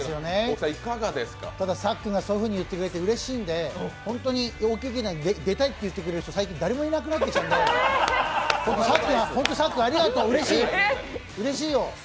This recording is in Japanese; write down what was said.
ただ、さっくんがそう言ってくれてうれしいんで、本当に出たいって言ってくれる人、最近誰もいなくなってきたんでさっくん、本当にありがとう、うれしいよ。